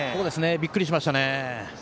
びっくりしましたね。